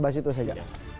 bahas itu saja